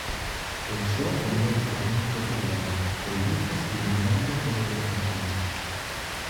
El show comienza con un toque de banda, con luces iluminando todo el escenario.